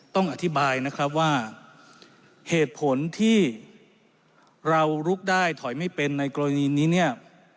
ต้องอธิบายนะครับว่าเหตุผลที่เราลุกได้ถอยไม่เป็นในกรณีนี้เนี่ย